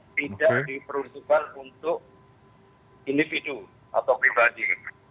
tidak diperuntukkan untuk individu atau pribadi